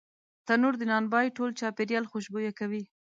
تنور د نان بوی ټول چاپېریال خوشبویه کوي